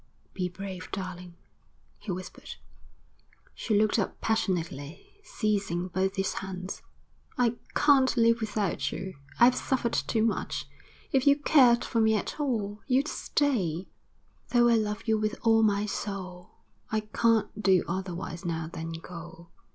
'Be brave, darling,' he whispered. She looked up passionately, seizing both his hands. 'I can't live without you. I've suffered too much. If you cared for me at all, you'd stay.' 'Though I love you with all my soul, I can't do otherwise now than go.'